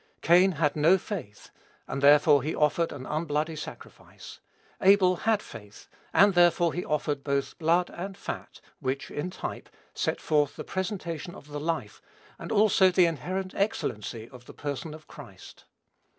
Cain had no faith, and therefore he offered an unbloody sacrifice. Abel had faith, and therefore he offered both "blood and fat," which, in type, set forth the presentation of the life, and also the inherent excellency of the Person of Christ.